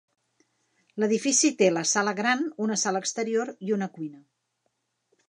L'edifici té la sala gran, una sala exterior i una cuina.